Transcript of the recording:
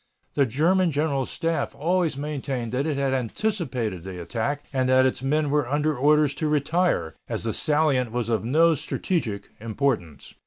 The German General Staff always maintained that it had anticipated the attack and that its men were under orders to retire, as the salient was of no strategic importance.